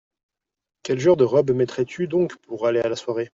Quelle genre de robe mettrais-tu donc pour aller à la soirée ?